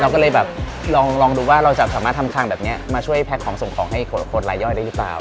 ก็เลยแบบลองดูว่าเราจะสามารถทำทางแบบนี้มาช่วยแพ็คของส่งของให้คนรายย่อยได้หรือเปล่า